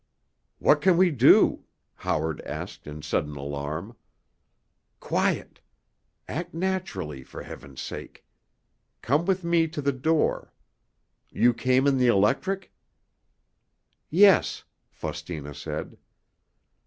"What can we do?" Howard asked in sudden alarm. "Quiet! Act naturally, for Heaven's sake. Come with me to the door. You came in the electric?" "Yes," Faustina said.